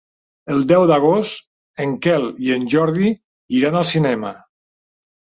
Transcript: El deu d'agost en Quel i en Jordi iran al cinema.